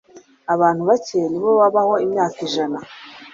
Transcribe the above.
abantu bake ni bo babaho imyaka ijana